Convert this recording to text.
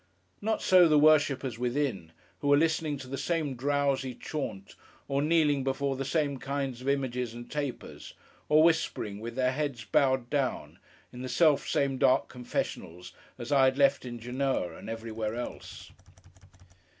Not so the worshippers within, who were listening to the same drowsy chaunt, or kneeling before the same kinds of images and tapers, or whispering, with their heads bowed down, in the selfsame dark confessionals, as I had left in Genoa and everywhere else.